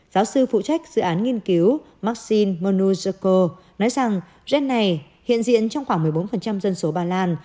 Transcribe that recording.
giáo sư phụ trách dự án nghiên cứu maxine monuzako nói rằng gen này hiện diện trong khoảng một mươi bốn dân số bàn lan